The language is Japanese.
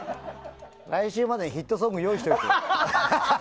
来週までにヒットソング用意しておいて。